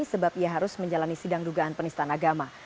sebab ia harus menjalani sidang dugaan penistaan agama